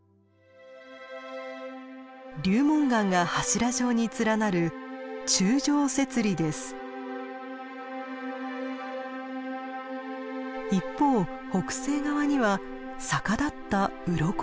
流紋岩が柱状に連なる一方北西側には逆立ったうろこ状の岩場が広がります。